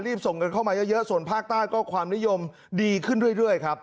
รีบส่งกันเข้ามาเยอะเยอะส่วนภาคใต้ก็ความนิยมดีขึ้นเรื่อยเรื่อยครับ